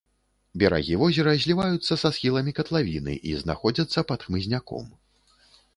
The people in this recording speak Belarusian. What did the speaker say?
Берагі возера зліваюцца са схіламі катлавіны і знаходзяцца пад хмызняком.